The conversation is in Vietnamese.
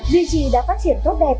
duy trì đã phát triển tốt đẹp